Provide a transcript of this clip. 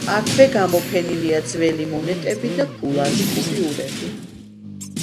აქვე გამოფენილია ძველი მონეტები და ფულადი კუპიურები.